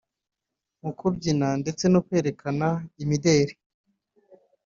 mu kubyina ndetse no kwerekana imideli